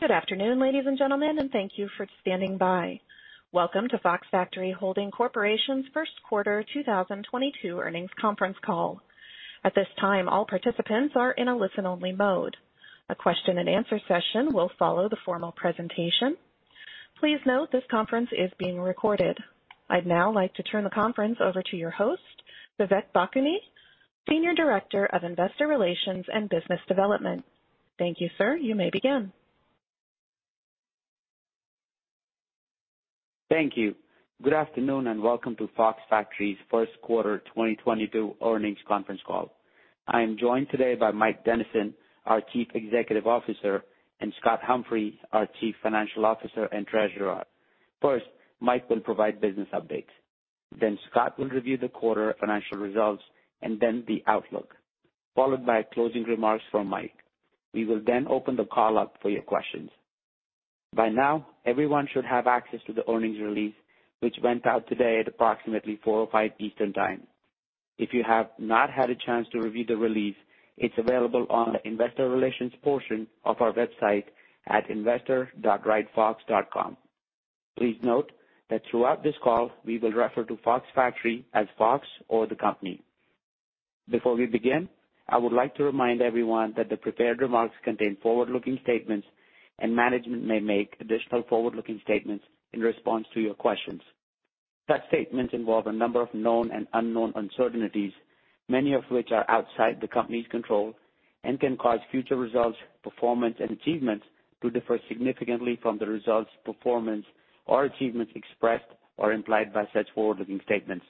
Good afternoon, ladies and gentlemen, and thank you for standing by. Welcome to Fox Factory Holding Corp.'s first quarter 2022 earnings conference call. At this time, all participants are in a listen-only mode. A question and answer session will follow the formal presentation. Please note this conference is being recorded. I'd now like to turn the conference over to your host, Vivek Bhakuni, Senior Director of Investor Relations and Business Development. Thank you, sir. You may begin. Thank you. Good afternoon, and welcome to Fox Factory's first quarter 2022 earnings conference call. I am joined today by Mike Dennison, our Chief Executive Officer, and Scott Humphrey, our Chief Financial Officer and Treasurer. First, Mike will provide business updates. Then Scott will review the quarter financial results and then the outlook, followed by closing remarks from Mike. We will then open the call up for your questions. By now, everyone should have access to the earnings release, which went out today at approximately 4:05 P.M. Eastern Time. If you have not had a chance to review the release, it's available on the investor relations portion of our website at investor.ridefox.com. Please note that throughout this call, we will refer to Fox Factory as Fox or the company. Before we begin, I would like to remind everyone that the prepared remarks contain forward-looking statements, and management may make additional forward-looking statements in response to your questions. Such statements involve a number of known and unknown uncertainties, many of which are outside the company's control and can cause future results, performance, and achievements to differ significantly from the results, performance, or achievements expressed or implied by such forward-looking statements.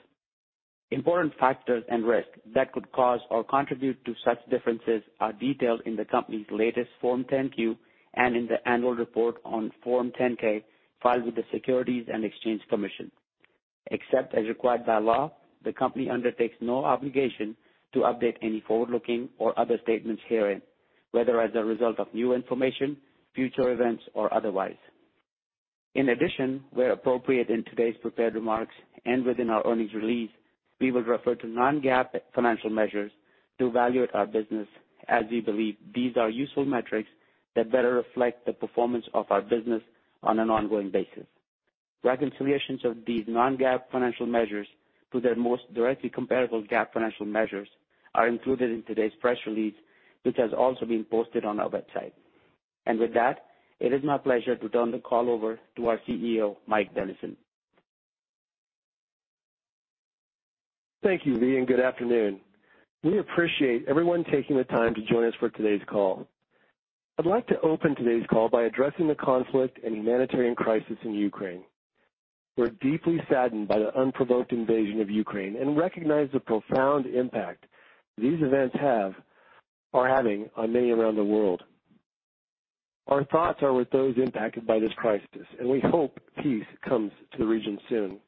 Important factors and risks that could cause or contribute to such differences are detailed in the company's latest Form 10-Q and in the annual report on Form 10-K filed with the Securities and Exchange Commission. Except as required by law, the company undertakes no obligation to update any forward-looking or other statements herein, whether as a result of new information, future events, or otherwise. In addition, where appropriate in today's prepared remarks and within our earnings release, we will refer to Non-GAAP financial measures to value our business as we believe these are useful metrics that better reflect the performance of our business on an ongoing basis. Reconciliations of these Non-GAAP financial measures to their most directly comparable GAAP financial measures are included in today's press release, which has also been posted on our website. With that, it is my pleasure to turn the call over to our CEO, Mike Dennison. Thank you, V, and good afternoon. We appreciate everyone taking the time to join us for today's call. I'd like to open today's call by addressing the conflict and humanitarian crisis in Ukraine. We're deeply saddened by the unprovoked invasion of Ukraine and recognize the profound impact these events have or are having on many around the world. Our thoughts are with those impacted by this crisis, and we hope peace comes to the region soon.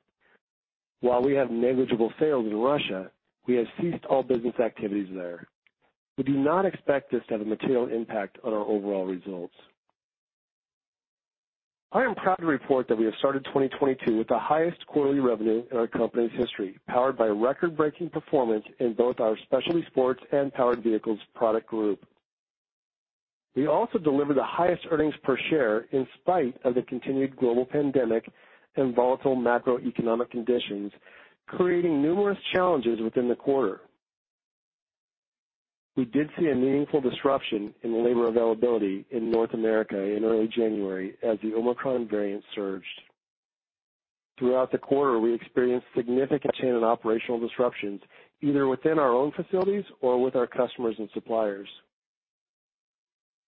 While we have negligible sales in Russia, we have ceased all business activities there. We do not expect this to have a material impact on our overall results. I am proud to report that we have started 2022 with the highest quarterly revenue in our company's history, powered by record-breaking performance in both our Specialty Sports and Powered Vehicles product group. We also delivered the highest earnings per share in spite of the continued global pandemic and volatile macroeconomic conditions, creating numerous challenges within the quarter. We did see a meaningful disruption in labor availability in North America in early January as the Omicron variant surged. Throughout the quarter, we experienced significant supply chain and operational disruptions either within our own facilities or with our customers and suppliers.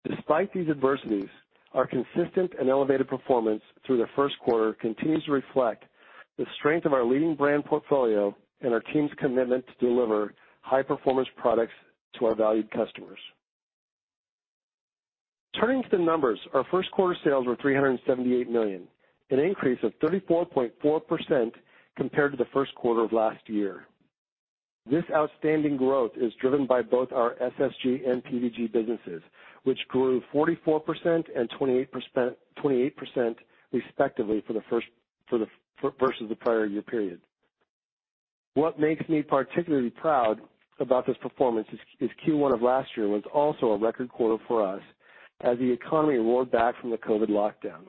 Despite these adversities, our consistent and elevated performance through the first quarter continues to reflect the strength of our leading brand portfolio and our team's commitment to deliver high-performance products to our valued customers. Turning to the numbers, our first quarter sales were $378 million, an increase of 34.4% compared to the first quarter of last year. This outstanding growth is driven by both our SSG and PVG businesses, which grew 44% and 28% respectively versus the prior year period. What makes me particularly proud about this performance is Q1 of last year was also a record quarter for us as the economy roared back from the COVID lockdown.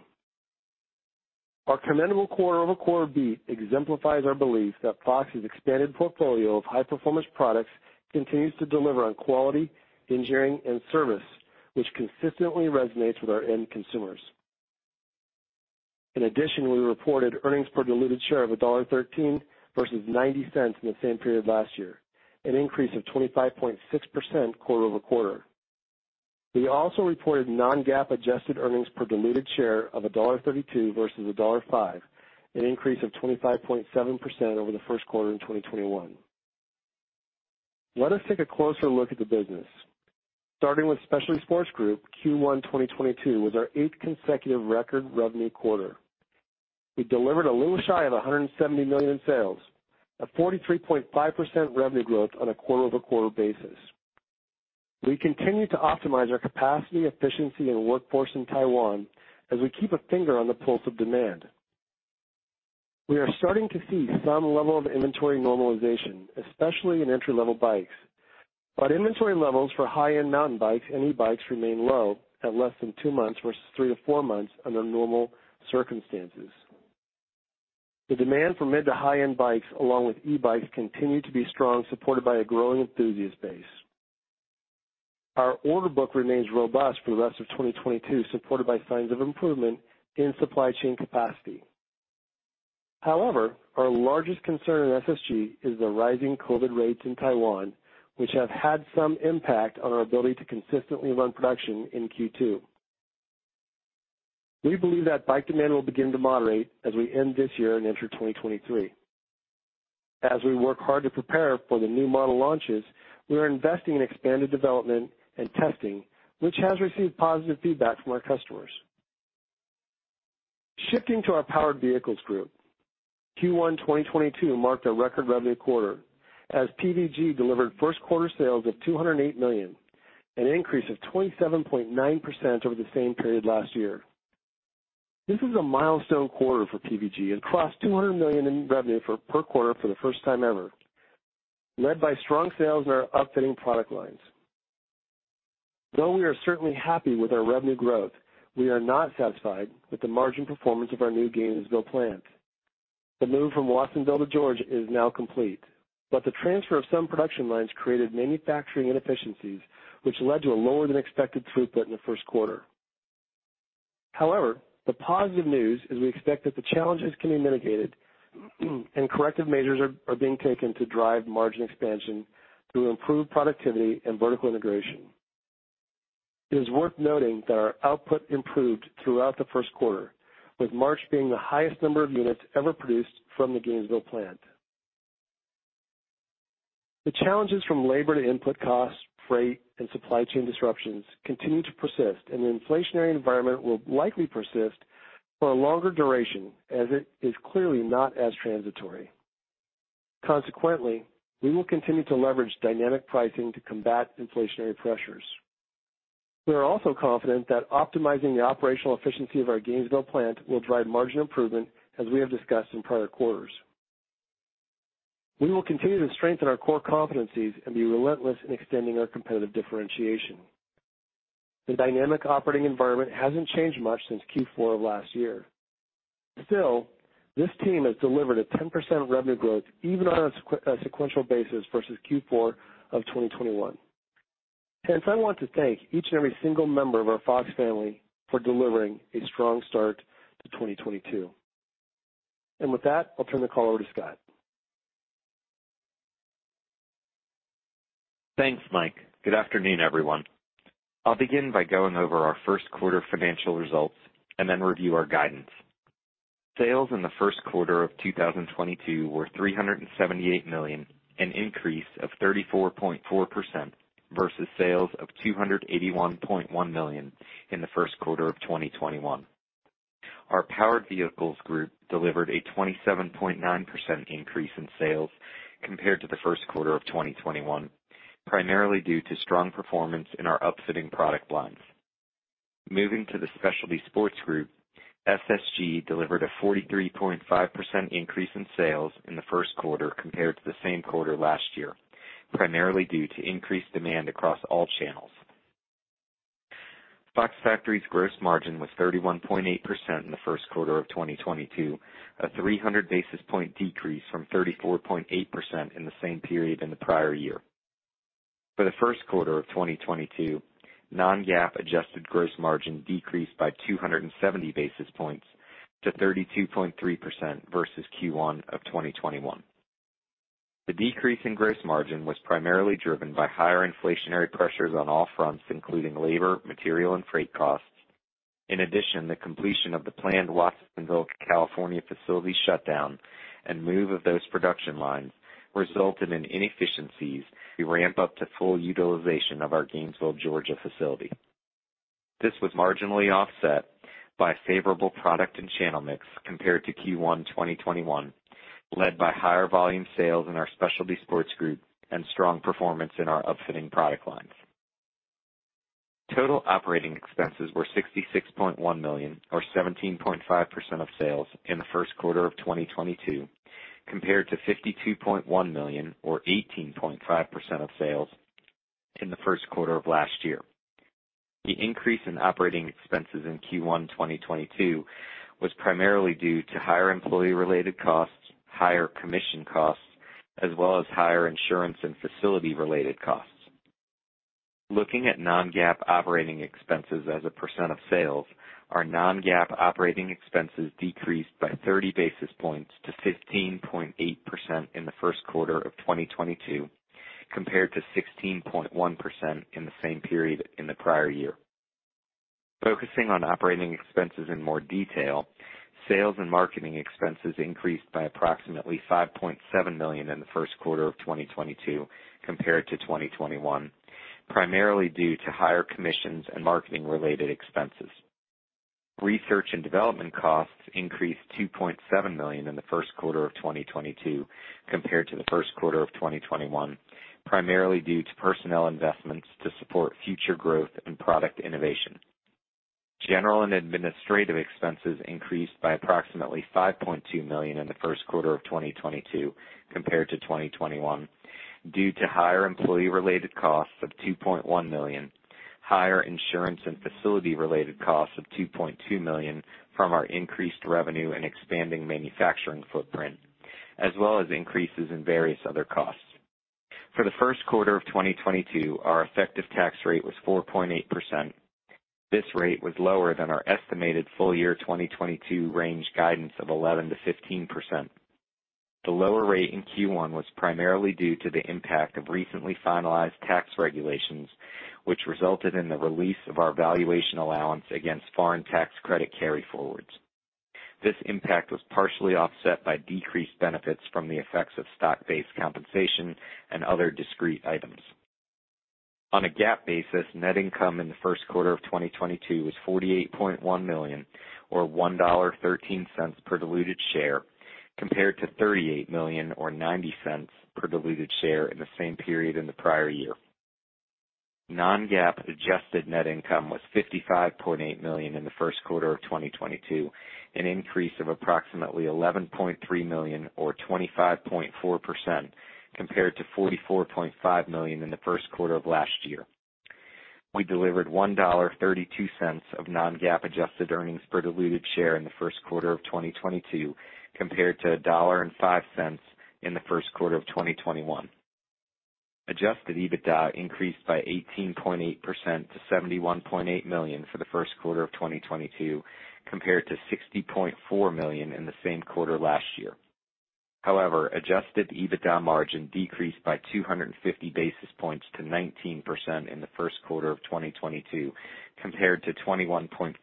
Our commendable quarter-over-quarter beat exemplifies our belief that Fox's expanded portfolio of high-performance products continues to deliver on quality, engineering, and service, which consistently resonates with our end consumers. In addition, we reported earnings per diluted share of $1.13 versus $0.90 in the same period last year, an increase of 25.6% quarter-over-quarter. We also reported Non-GAAP adjusted earnings per diluted share of $1.32 versus $1.05, an increase of 25.7% over the first quarter in 2021. Let us take a closer look at the business. Starting with Specialty Sports Group, Q1 2022 was our eighth consecutive record revenue quarter. We delivered a little shy of $170 million in sales at 43.5% revenue growth on a quarter-over-quarter basis. We continue to optimize our capacity, efficiency, and workforce in Taiwan as we keep a finger on the pulse of demand. We are starting to see some level of inventory normalization, especially in entry-level bikes. Inventory levels for high-end mountain bikes and e-bikes remain low at less than two months versus three to four months under normal circumstances. The demand for mid- to high-end bikes, along with e-bikes, continues to be strong, supported by a growing enthusiast base. Our order book remains robust for the rest of 2022, supported by signs of improvement in supply chain capacity. However, our largest concern in SSG is the rising COVID rates in Taiwan, which have had some impact on our ability to consistently run production in Q2. We believe that bike demand will begin to moderate as we end this year and enter 2023. As we work hard to prepare for the new model launches, we are investing in expanded development and testing, which has received positive feedback from our customers. Shifting to our Powered Vehicles Group, Q1 2022 marked a record revenue quarter as PVG delivered first quarter sales of $208 million, an increase of 27.9% over the same period last year. This is a milestone quarter for PVG. It crossed $200 million in revenue per quarter for the first time ever, led by strong sales in our upfitting product lines. Though we are certainly happy with our revenue growth, we are not satisfied with the margin performance of our new Gainesville plant. The move from Watsonville to Georgia is now complete, but the transfer of some production lines created manufacturing inefficiencies, which led to a lower than expected throughput in the first quarter. However, the positive news is we expect that the challenges can be mitigated, and corrective measures are being taken to drive margin expansion through improved productivity and vertical integration. It is worth noting that our output improved throughout the first quarter, with March being the highest number of units ever produced from the Gainesville plant. The challenges from labor to input costs, freight, and supply chain disruptions continue to persist, and the inflationary environment will likely persist for a longer duration as it is clearly not as transitory. Consequently, we will continue to leverage dynamic pricing to combat inflationary pressures. We are also confident that optimizing the operational efficiency of our Gainesville plant will drive margin improvement as we have discussed in prior quarters. We will continue to strengthen our core competencies and be relentless in extending our competitive differentiation. The dynamic operating environment hasn't changed much since Q4 of last year. Still, this team has delivered a 10% revenue growth even on a sequential basis versus Q4 of 2021. Hence, I want to thank each and every single member of our Fox family for delivering a strong start to 2022. With that, I'll turn the call over to Scott. Thanks, Mike. Good afternoon, everyone. I'll begin by going over our first quarter financial results and then review our guidance. Sales in the first quarter of 2022 were $378 million, an increase of 34.4% versus sales of $281.1 million in the first quarter of 2021. Our Powered Vehicles Group delivered a 27.9% increase in sales compared to the first quarter of 2021, primarily due to strong performance in our upfitting product lines. Moving to the Specialty Sports Group, SSG delivered a 43.5% increase in sales in the first quarter compared to the same quarter last year, primarily due to increased demand across all channels. Fox Factory's gross margin was 31.8% in the first quarter of 2022, a 300 basis points decrease from 34.8% in the same period in the prior year. For the first quarter of 2022, Non-GAAP adjusted gross margin decreased by 270 basis points to 32.3% versus Q1 of 2021. The decrease in gross margin was primarily driven by higher inflationary pressures on all fronts, including labor, material, and freight costs. In addition, the completion of the planned Watsonville, California, facility shutdown and move of those production lines resulted in inefficiencies to ramp up to full utilization of our Gainesville, Georgia, facility. This was marginally offset by favorable product and channel mix compared to Q1 2021, led by higher volume sales in our Specialty Sports Group and strong performance in our upfitting product lines. Total operating expenses were $66.1 million or 17.5% of sales in the first quarter of 2022, compared to $52.1 million or 18.5% of sales in the first quarter of last year. The increase in operating expenses in Q1 2022 was primarily due to higher employee-related costs, higher commission costs, as well as higher insurance and facility-related costs. Looking at Non-GAAP operating expenses as a percent of sales, our Non-GAAP operating expenses decreased by 30 basis points to 15.8% in the first quarter of 2022, compared to 16.1% in the same period in the prior year. Focusing on operating expenses in more detail, sales and marketing expenses increased by approximately $5.7 million in the first quarter of 2022 compared to 2021, primarily due to higher commissions and marketing-related expenses. Research and development costs increased $2.7 million in the first quarter of 2022 compared to the first quarter of 2021, primarily due to personnel investments to support future growth and product innovation. General and administrative expenses increased by approximately $5.2 million in the first quarter of 2022 compared to 2021 due to higher employee-related costs of $2.1 million, higher insurance and facility-related costs of $2.2 million from our increased revenue and expanding manufacturing footprint, as well as increases in various other costs. For the first quarter of 2022, our effective tax rate was 4.8%. This rate was lower than our estimated full year 2022 range guidance of 11%-15%. The lower rate in Q1 was primarily due to the impact of recently finalized tax regulations, which resulted in the release of our valuation allowance against foreign tax credit carry-forwards. This impact was partially offset by decreased benefits from the effects of stock-based compensation and other discrete items. On a GAAP basis, net income in the first quarter of 2022 was $48.1 million or $1.13 per diluted share, compared to $38 million or $0.90 per diluted share in the same period in the prior year. Non-GAAP adjusted net income was $55.8 million in the first quarter of 2022, an increase of approximately $11.3 million or 25.4% compared to $44.5 million in the first quarter of last year. We delivered $1.32 of Non-GAAP adjusted earnings per diluted share in the first quarter of 2022, compared to $1.05 in the first quarter of 2021. Adjusted EBITDA increased by 18.8% to $71.8 million for the first quarter of 2022, compared to $60.4 million in the same quarter last year. However, Adjusted EBITDA margin decreased by 250 basis points to 19% in the first quarter of 2022, compared to 21.5%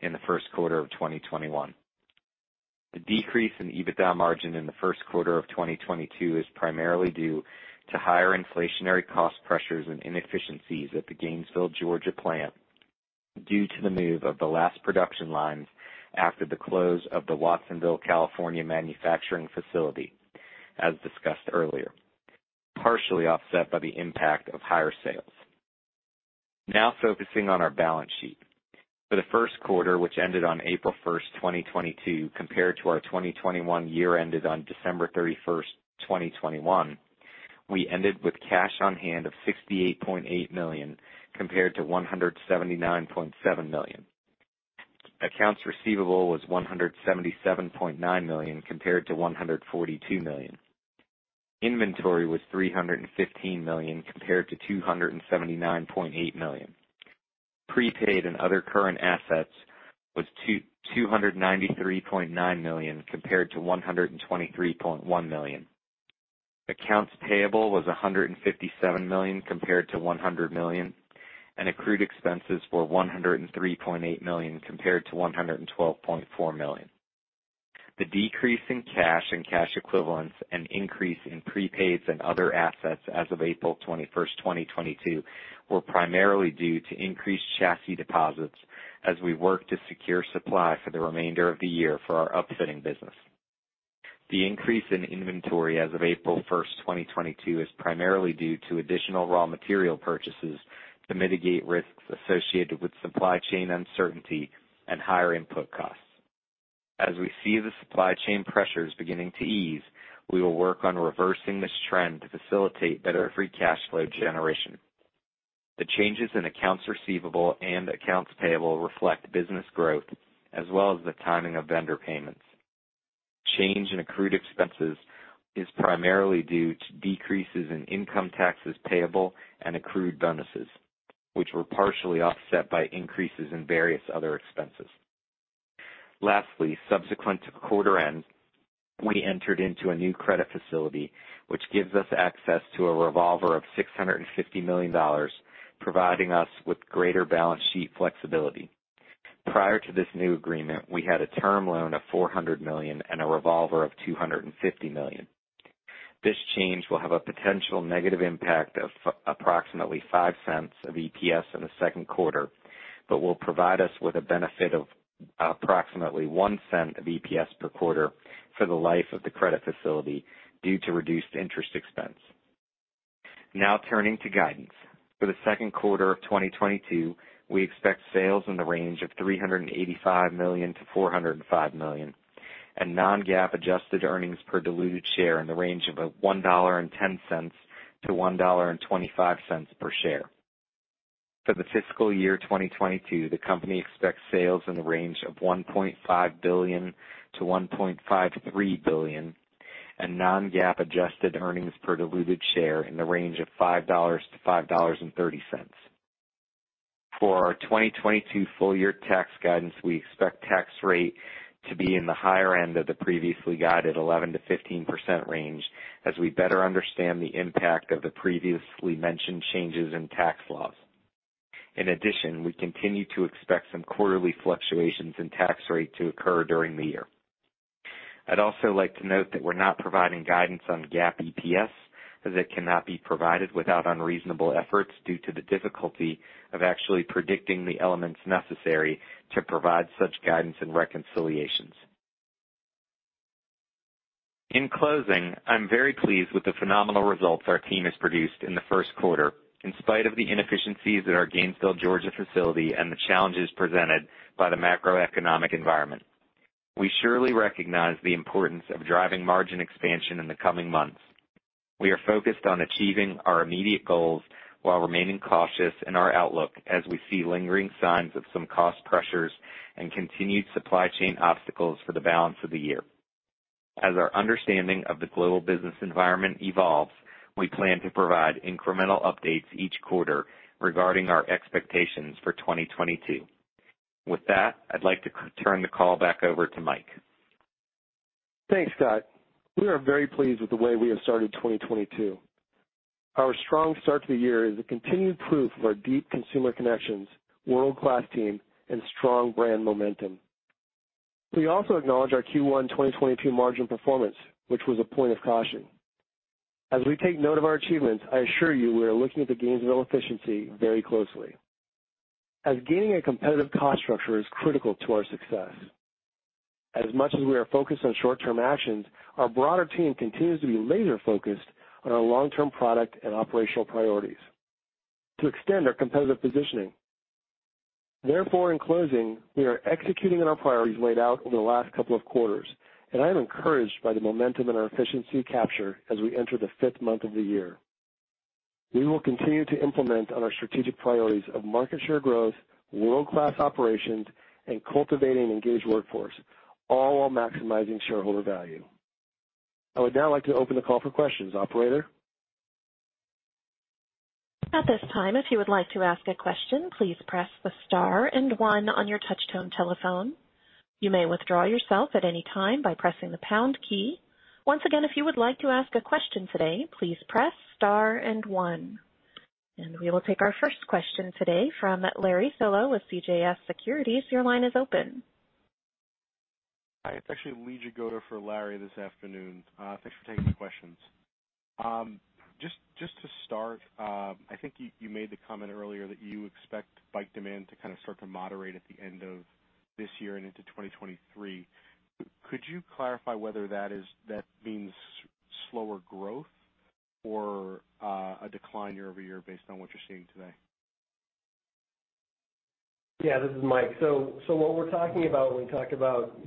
in the first quarter of 2021. The decrease in EBITDA margin in the first quarter of 2022 is primarily due to higher inflationary cost pressures and inefficiencies at the Gainesville, Georgia plant due to the move of the last production lines after the close of the Watsonville, California manufacturing facility, as discussed earlier, partially offset by the impact of higher sales. Now focusing on our balance sheet. For the first quarter, which ended on April 1, 2022, compared to our 2021 year ended on December 31, 2021, we ended with cash on hand of $68.8 million compared to $179.7 million. Accounts receivable was $177.9 million compared to $142 million. Inventory was $315 million compared to $279.8 million. Prepaid and other current assets was $293.9 million compared to $123.1 million. Accounts payable was $157 million compared to $100 million, and accrued expenses were $103.8 million compared to $112.4 million. The decrease in cash and cash equivalents and increase in prepaids and other assets as of April 21, 2022, were primarily due to increased chassis deposits as we work to secure supply for the remainder of the year for our upfitting business. The increase in inventory as of April 1, 2022, is primarily due to additional raw material purchases to mitigate risks associated with supply chain uncertainty and higher input costs. As we see the supply chain pressures beginning to ease, we will work on reversing this trend to facilitate better free cash flow generation. The changes in accounts receivable and accounts payable reflect business growth as well as the timing of vendor payments. Change in accrued expenses is primarily due to decreases in income taxes payable and accrued bonuses, which were partially offset by increases in various other expenses. Lastly, subsequent to quarter end, we entered into a new credit facility, which gives us access to a revolver of $650 million, providing us with greater balance sheet flexibility. Prior to this new agreement, we had a term loan of $400 million and a revolver of $250 million. This change will have a potential negative impact of approximately $0.05 of EPS in the second quarter, but will provide us with a benefit of approximately $0.01 of EPS per quarter for the life of the credit facility due to reduced interest expense. Now turning to guidance. For the second quarter of 2022, we expect sales in the range of $385 million-$405 million, and Non-GAAP adjusted earnings per diluted share in the range of $1.10-$1.25 per share. For the fiscal year 2022, the company expects sales in the range of $1.5 billion-$1.53 billion, and Non-GAAP adjusted earnings per diluted share in the range of $5.00-$5.30. For our 2022 full year tax guidance, we expect tax rate to be in the higher end of the previously guided 11%-15% range as we better understand the impact of the previously mentioned changes in tax laws. In addition, we continue to expect some quarterly fluctuations in tax rate to occur during the year. I'd also like to note that we're not providing guidance on GAAP EPS, as it cannot be provided without unreasonable efforts due to the difficulty of actually predicting the elements necessary to provide such guidance and reconciliations. In closing, I'm very pleased with the phenomenal results our team has produced in the first quarter in spite of the inefficiencies at our Gainesville, Georgia facility and the challenges presented by the macroeconomic environment. We surely recognize the importance of driving margin expansion in the coming months. We are focused on achieving our immediate goals while remaining cautious in our outlook as we see lingering signs of some cost pressures and continued supply chain obstacles for the balance of the year. As our understanding of the global business environment evolves, we plan to provide incremental updates each quarter regarding our expectations for 2022. With that, I'd like to turn the call back over to Mike. Thanks, Scott. We are very pleased with the way we have started 2022. Our strong start to the year is a continued proof of our deep consumer connections, world-class team, and strong brand momentum. We also acknowledge our Q1 2022 margin performance, which was a point of caution. As we take note of our achievements, I assure you, we are looking at the Gainesville efficiency very closely, as gaining a competitive cost structure is critical to our success. As much as we are focused on short-term actions, our broader team continues to be laser focused on our long-term product and operational priorities to extend our competitive positioning. Therefore, in closing, we are executing on our priorities laid out over the last couple of quarters, and I am encouraged by the momentum and our efficiency capture as we enter the fifth month of the year. We will continue to implement on our strategic priorities of market share growth, world-class operations, and cultivating engaged workforce, all while maximizing shareholder value. I would now like to open the call for questions. Operator? At this time, if you would like to ask a question, please press the star and one on your touchtone telephone. You may withdraw yourself at any time by pressing the pound key. Once again, if you would like to ask a question today, please press star and one. We will take our first question today from Larry Solow with CJS Securities. Your line is open. Hi, it's actually Lee Jagoda for Larry this afternoon. Thanks for taking the questions. Just to start, I think you made the comment earlier that you expect bike demand to kind of start to moderate at the end of this year and into 2023. Could you clarify whether that means slower growth or a decline year-over-year based on what you're seeing today? Yeah, this is Mike. What we're talking about when we talk about,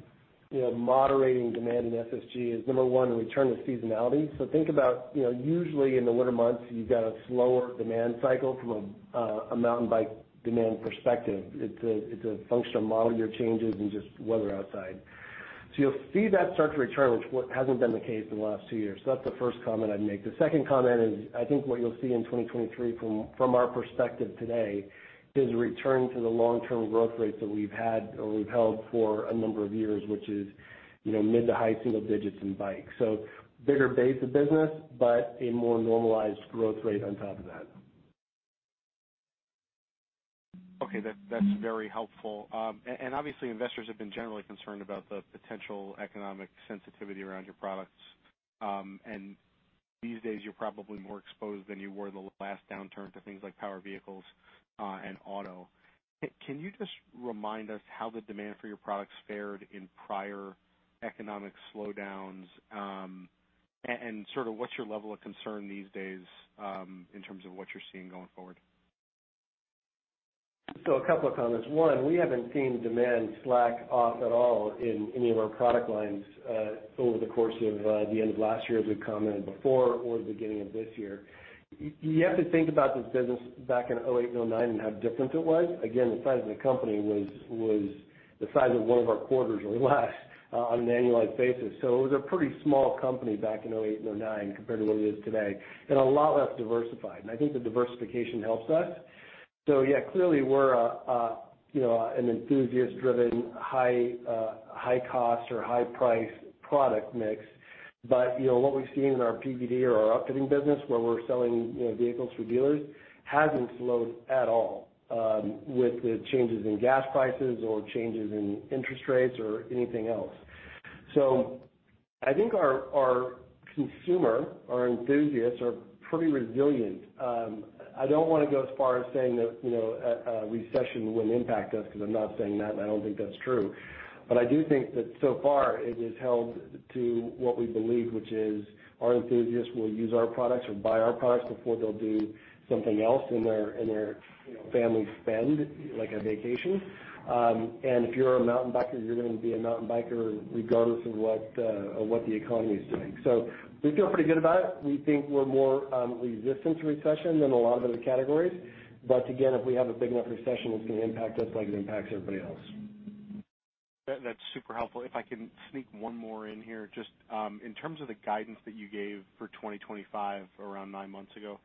you know, moderating demand in SSG is, number one, a return to seasonality. Think about, you know, usually in the winter months, you've got a slower demand cycle from a mountain bike demand perspective. It's a function of model year changes and just weather outside. You'll see that start to return, which hasn't been the case in the last two years. That's the first comment I'd make. The second comment is, I think what you'll see in 2023 from our perspective today is a return to the long-term growth rates that we've had or we've held for a number of years, which is, you know, mid- to high-single-digit in bikes. Bigger base of business, but a more normalized growth rate on top of that. Okay. That's very helpful. Obviously investors have been generally concerned about the potential economic sensitivity around your products. These days you're probably more exposed than you were in the last downturn to things like powered vehicles and auto. Can you just remind us how the demand for your products fared in prior economic slowdowns, and sort of what's your level of concern these days, in terms of what you're seeing going forward? A couple of comments. One, we haven't seen demand slack off at all in any of our product lines, over the course of the end of last year, as we've commented before or the beginning of this year. You have to think about this business back in 2008, 2009 and how different it was. Again, the size of the company was the size of one of our quarters or less on an annualized basis. It was a pretty small company back in 2008, 2009 compared to what it is today, and a lot less diversified. I think the diversification helps us. Yeah, clearly we're a you know an enthusiast driven high cost or high price product mix. You know, what we've seen in our PVG or our upfitting business where we're selling, you know, vehicles through dealers, hasn't slowed at all, with the changes in gas prices or changes in interest rates or anything else. I think our consumer, our enthusiasts are pretty resilient. I don't wanna go as far as saying that, you know, a recession wouldn't impact us, 'cause I'm not saying that and I don't think that's true. I do think that so far it has held to what we believe, which is our enthusiasts will use our products or buy our products before they'll do something else in their family spend, like a vacation. If you're a mountain biker, you're gonna be a mountain biker regardless of what the economy is doing. We feel pretty good about it. We think we're more resistant to recession than a lot of other categories. Again, if we have a big enough recession, it's gonna impact us like it impacts everybody else. That's super helpful. If I can sneak one more in here. Just in terms of the guidance that you gave for 2025 around nine months ago,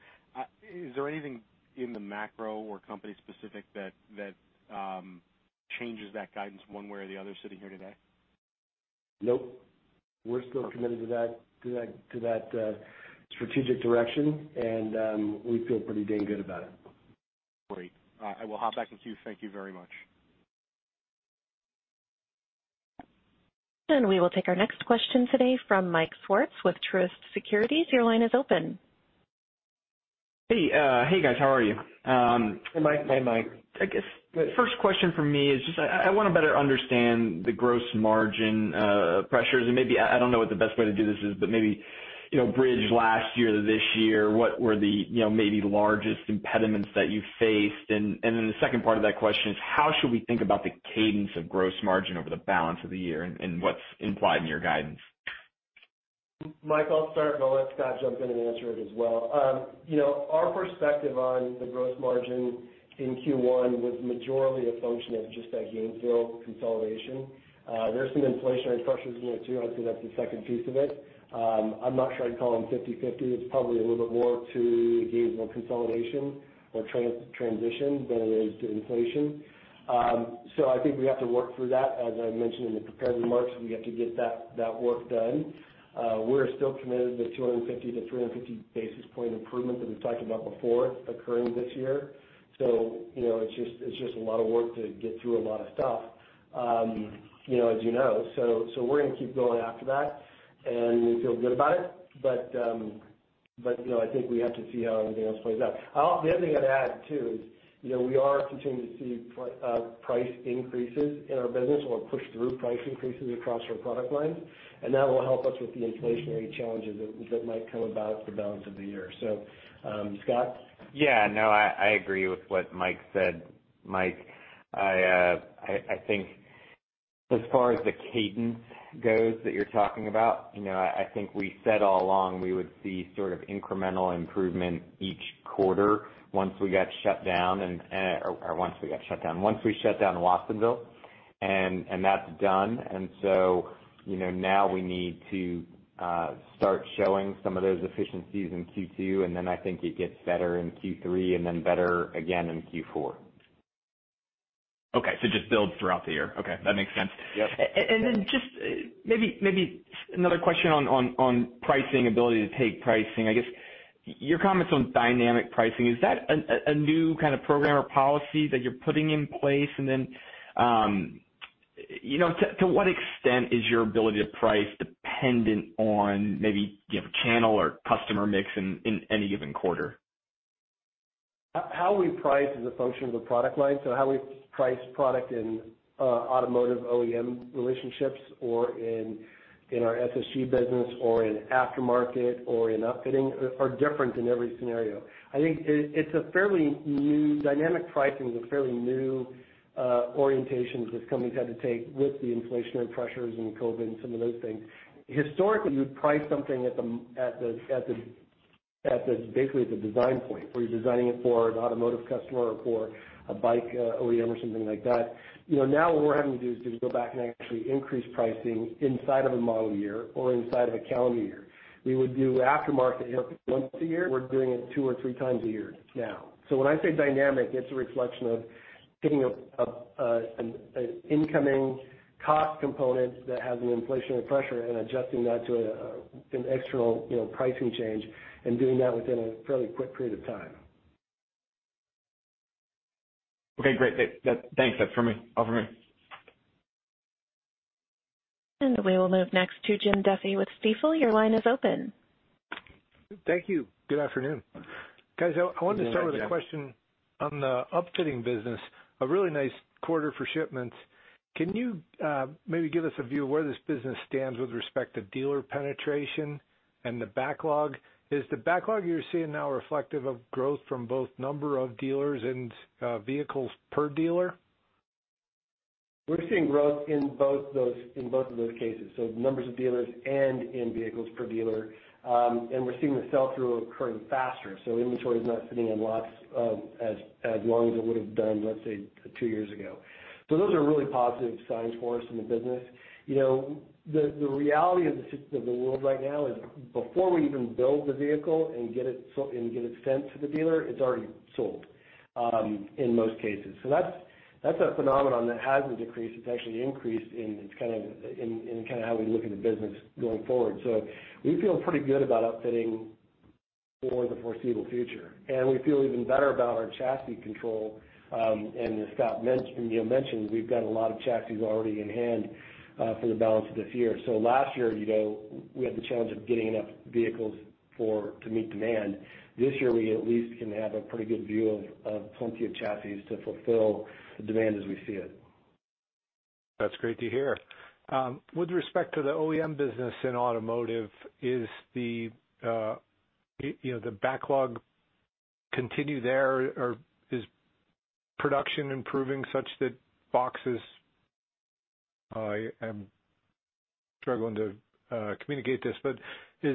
is there anything in the macro or company specific that changes that guidance one way or the other sitting here today? Nope. We're still committed to that strategic direction, and we feel pretty dang good about it. Great. I will hop back in queue. Thank you very much. We will take our next question today from Mike Swartz with Truist Securities. Your line is open. Hey, guys. How are you? Hey, Mike. I guess the first question for me is just I wanna better understand the gross margin pressures and maybe I don't know what the best way to do this is, but maybe you know bridge last year to this year. What were the you know maybe largest impediments that you faced? And then the second part of that question is how should we think about the cadence of gross margin over the balance of the year and what's implied in your guidance? Mike, I'll start, and I'll let Scott jump in and answer it as well. You know, our perspective on the gross margin in Q1 was majorly a function of just that Gainesville consolidation. There are some inflationary pressures in there too. I'd say that's the second piece of it. I'm not sure I'd call them 50/50. It's probably a little bit more to Gainesville consolidation or transition than it is to inflation. I think we have to work through that, as I mentioned in the prepared remarks, we have to get that work done. We're still committed to the 250-350 basis point improvement that we've talked about before occurring this year. You know, it's just a lot of work to get through a lot of stuff, you know, as you know. We're gonna keep going after that, and we feel good about it. You know, I think we have to see how everything else plays out. The other thing I'd add too is, you know, we are continuing to see price increases in our business and push through price increases across our product lines, and that will help us with the inflationary challenges that might come about the balance of the year. Scott? Yeah, no, I agree with what Mike said. Mike, I think as far as the cadence goes that you're talking about, you know, I think we said all along we would see sort of incremental improvement each quarter once we got shut down, or once we got shut down. Once we shut down Watsonville, and that's done. You know, now we need to start showing some of those efficiencies in Q2, and then I think it gets better in Q3 and then better again in Q4. Okay. Just build throughout the year. Okay, that makes sense. Yep. Then just maybe another question on pricing, ability to take pricing. I guess your comments on dynamic pricing, is that a new kind of program or policy that you're putting in place? You know, to what extent is your ability to price dependent on maybe you have a channel or customer mix in any given quarter? How we price is a function of a product line. How we price product in automotive OEM relationships or in our SSG business or in aftermarket or in upfitting are different in every scenario. Dynamic pricing is a fairly new orientation that companies had to take with the inflationary pressures and COVID and some of those things. Historically, you would price something basically at the design point, where you're designing it for an automotive customer or for a bike OEM or something like that. You know, now what we're having to do is to go back and actually increase pricing inside of a model year or inside of a calendar year. We would do aftermarket once a year. We're doing it two or three times a year now. When I say dynamic, it's a reflection of taking an incoming cost component that has an inflationary pressure and adjusting that to an external, you know, pricing change and doing that within a fairly quick period of time. Okay, great. Thanks. That's for me. All for me. We will move next to Jim Duffy with Stifel. Your line is open. Thank you. Good afternoon. Guys, I wanted to start. Good afternoon, Jim. With a question on the upfitting business, a really nice quarter for shipments. Can you maybe give us a view of where this business stands with respect to dealer penetration and the backlog? Is the backlog you're seeing now reflective of growth from both number of dealers and vehicles per dealer? We're seeing growth in both those, in both of those cases, so numbers of dealers and in vehicles per dealer. We're seeing the sell-through occurring faster, so inventory is not sitting on lots, as long as it would've done, let's say, two years ago. Those are really positive signs for us in the business. You know, the reality of the world right now is before we even build the vehicle and get it and get it sent to the dealer, it's already sold, in most cases. That's a phenomenon that hasn't decreased. It's actually increased in its kind of, kinda how we look at the business going forward. We feel pretty good about upfitting for the foreseeable future, and we feel even better about our chassis control. As Scott mentioned, we've got a lot of chassis already in hand for the balance of this year. Last year, you know, we had the challenge of getting enough vehicles for to meet demand. This year, we at least can have a pretty good view of plenty of chassis to fulfill the demand as we see it. That's great to hear. With respect to the OEM business in automotive, is the, you know, the backlog continue there or is production improving such that boxes. I am struggling to communicate this, but is- I'll help you, Jim. Yeah, please do, Mike. Thanks for jumping in. The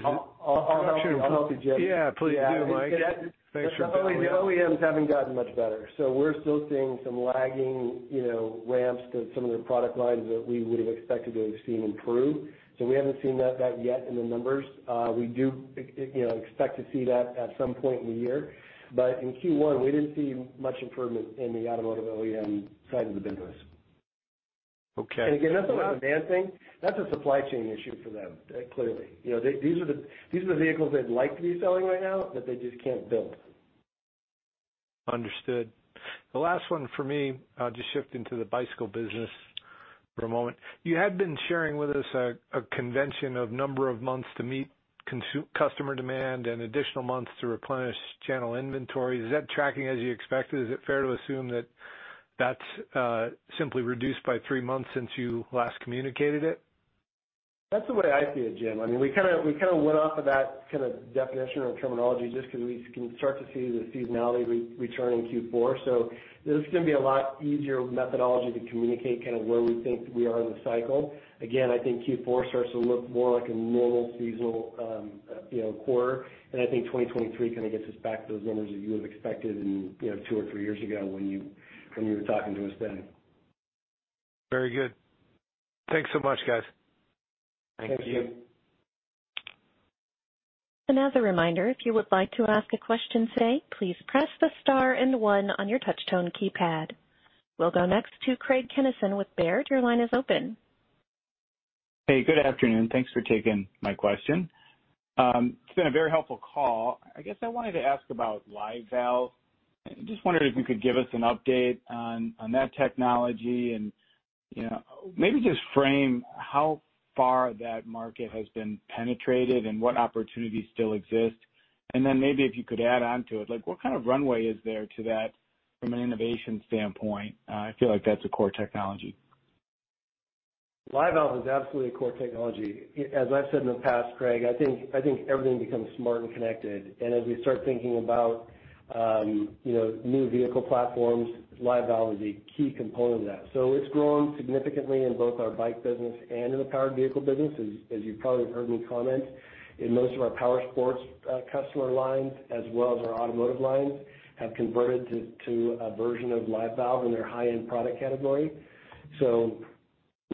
OEMs haven't gotten much better, so we're still seeing some lagging, you know, ramps to some of their product lines that we would've expected to have seen improve. We haven't seen that yet in the numbers. We do, you know, expect to see that at some point in the year. In Q1, we didn't see much improvement in the automotive OEM side of the business. Okay. Again, that's not a demand thing. That's a supply chain issue for them, clearly. You know, these are the vehicles they'd like to be selling right now that they just can't build. Understood. The last one for me, I'll just shift into the bicycle business for a moment. You had been sharing with us a conventional number of months to meet customer demand and additional months to replenish channel inventory. Is that tracking as you expected? Is it fair to assume that that's simply reduced by three months since you last communicated it? That's the way I see it, Jim. I mean, we kinda went off of that kinda definition or terminology just 'cause we can start to see the seasonality returning Q4. This is gonna be a lot easier methodology to communicate kinda where we think we are in the cycle. Again, I think Q4 starts to look more like a normal seasonal, you know, quarter. I think 2023 kinda gets us back to those numbers that you would have expected in, you know, two or three years ago when you were talking to us then. Very good. Thanks so much, guys. Thank you. As a reminder, if you would like to ask a question today, please press the star and one on your touchtone keypad. We'll go next to Craig Kennison with Baird. Your line is open. Hey, good afternoon. Thanks for taking my question. It's been a very helpful call. I guess I wanted to ask about Live Valve. Just wondering if you could give us an update on that technology and, you know, maybe just frame how far that market has been penetrated and what opportunities still exist. Maybe if you could add on to it, like, what kind of runway is there to that from an innovation standpoint? I feel like that's a core technology. Live Valve is absolutely a core technology. As I've said in the past, Craig, I think everything becomes smart and connected. As we start thinking about, you know, new vehicle platforms, Live Valve is a key component of that. It's grown significantly in both our bike business and in the powered vehicle business, as you probably have heard me comment. In most of our power sports customer lines as well as our automotive lines, have converted to a version of Live Valve in their high-end product category. You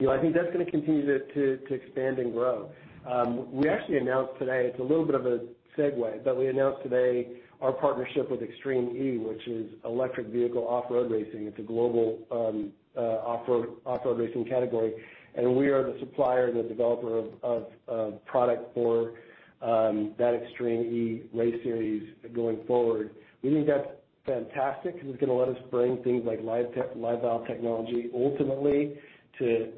know, I think that's gonna continue to expand and grow. We actually announced today, it's a little bit of a segue, but we announced today our partnership with Extreme E, which is electric vehicle off-road racing. It's a global off-road racing category, and we are the supplier and the developer of product for that Extreme E race series going forward. We think that's fantastic because it's gonna let us bring things like Live Valve technology ultimately to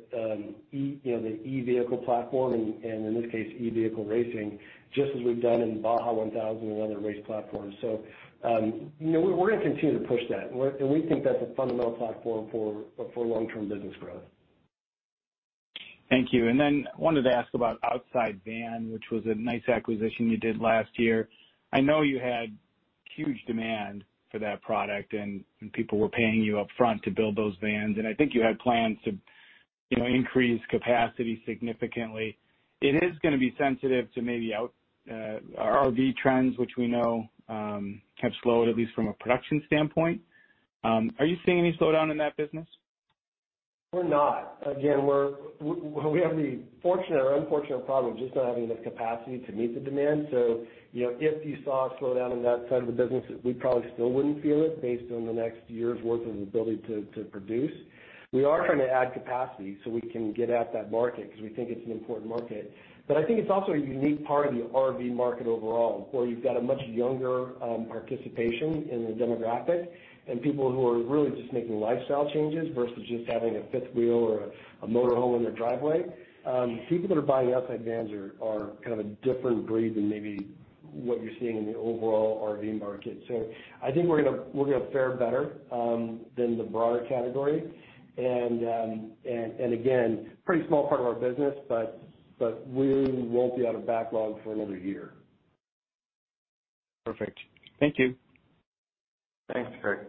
you know, the e-vehicle platform and in this case, e-vehicle racing, just as we've done in Baja 1000 and other race platforms. You know, we're gonna continue to push that. We think that's a fundamental platform for long-term business growth. Thank you. I wanted to ask about Outside Van, which was a nice acquisition you did last year. I know you had huge demand for that product, and people were paying you upfront to build those vans. I think you had plans to, you know, increase capacity significantly. It is gonna be sensitive to maybe overall RV trends, which we know have slowed, at least from a production standpoint. Are you seeing any slowdown in that business? We're not. Again, we have the fortunate or unfortunate problem of just not having the capacity to meet the demand. You know, if you saw a slowdown on that side of the business, we probably still wouldn't feel it based on the next year's worth of ability to produce. We are trying to add capacity so we can get at that market because we think it's an important market. I think it's also a unique part of the RV market overall, where you've got a much younger participation in the demographic and people who are really just making lifestyle changes versus just having a fifth wheel or a motor home in their driveway. People that are buying Outside Van are kind of a different breed than maybe what you're seeing in the overall RV market. I think we're gonna fare better than the broader category. Again, pretty small part of our business, but we won't be out of backlog for another year. Perfect. Thank you. Thanks, Craig.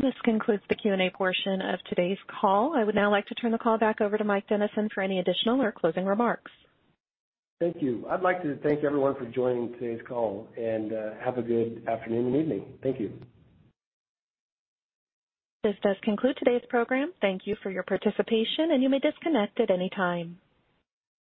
This concludes the Q&A portion of today's call. I would now like to turn the call back over to Mike Dennison for any additional or closing remarks. Thank you. I'd like to thank everyone for joining today's call and have a good afternoon and evening. Thank you. This does conclude today's program. Thank you for your participation, and you may disconnect at any time.